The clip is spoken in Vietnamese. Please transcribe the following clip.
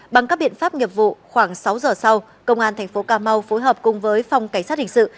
bằng các biện pháp nghiệp vụ khoảng sáu giờ sau công an thành phố cà mau phối hợp cùng với phòng cảnh sát hình sự